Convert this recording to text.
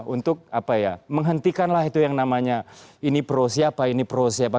untuk menghentikanlah itu yang namanya ini pro siapa ini pro siapa